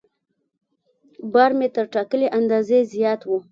بار مې تر ټاکلي اندازې زیات و.